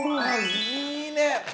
いいね！